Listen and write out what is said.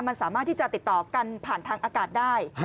มันสามารถที่จะติดต่อกันผ่านทางอากาศได้